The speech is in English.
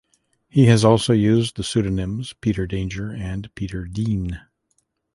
He has also used the pseudonyms Peter Danger and Peter Dean.